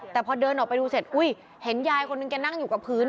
แต่พอเดินออกไปดูเสร็จอุ้ยเห็นยายคนหนึ่งแกนั่งอยู่กับพื้น